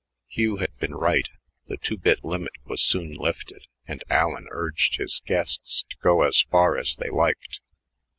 Hugh had been right; the "two bit limit" was soon lifted, and Allen urged his guests to go as far as they liked.